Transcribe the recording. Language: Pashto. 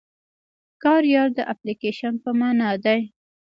کاریال د اپليکيشن په مانا دی.